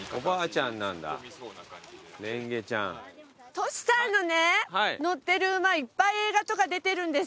トシさんのね乗ってる馬いっぱい映画とか出てるんですって。